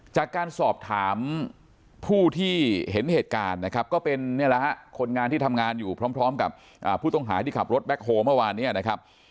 จากการสอบถามผู้ที่เห็นเหตุการณ์นะครับก็เป็นเนี่ยแหละฮะคนงานที่ทำงานอยู่พร้อมกับผู้ต้องหาที่ขับรถแบ็คโฮเมื่อวานเนี่ยนะครับ